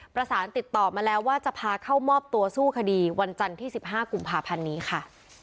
ประสานติดต่อมาแล้วว่าจะพาเข้ามอบตัวสู้คดีวันจันทร์ที่๑๕กุมภาพันธ์นี้ค่ะ